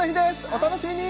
お楽しみに！